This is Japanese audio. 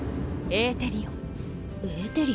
エーテリオン？